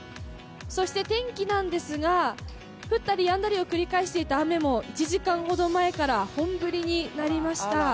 そして天気なんですが、降ったりやんだりを繰り返していた雨も、１時間ほど前から本降りになりました。